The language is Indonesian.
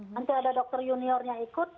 nanti ada dokter juniornya ikut